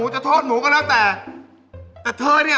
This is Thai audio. ชอบกินอาหารเหรอ